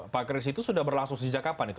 pak kris itu sudah berlangsung sejak kapan itu